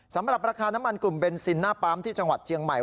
สำหรับราคาน้ำมันกลุ่มเบนซินหน้าปั๊มที่จังหวัดเชียงใหม่